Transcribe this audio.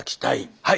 はい！